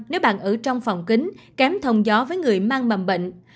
nếu bạn ở trong phòng kính kém thông gió với người mang mầm bệnh